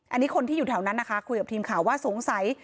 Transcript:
อันนี้คนที่อยู่แถวนั้นนะคะคุยกับทีมข่าวว่าสงสัย